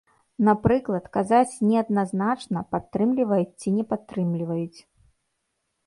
Напрыклад, казаць неадназначна, падтрымліваюць ці не падтрымліваюць.